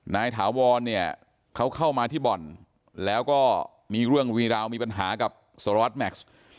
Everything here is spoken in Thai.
ถาวรเนี่ยเขาเข้ามาที่บ่อนแล้วก็มีเรื่องมีราวมีปัญหากับสารวัตรแม็กซ์